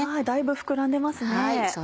だいぶ膨らんでますね。